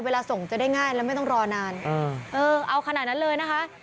เวลาส่งจะได้ง่ายแล้วไม่ต้องรอนานเออเอาขนาดนั้นเลยนะคะ